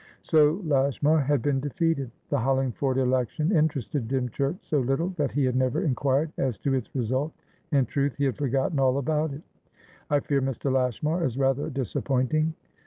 So Lashmar had been defeated. The Hollingford election interested Dymchurch so little that he had never inquired as to its result; in truth, he had forgotten all about it. "I fear Mr. Lashmar is rather disappointing.